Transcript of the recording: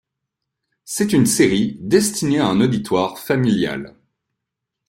C'est une série destinée à un auditoire familial.